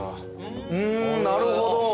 んなるほど。